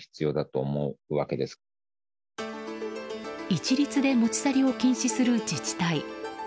一律で持ち去りを禁止する自治体。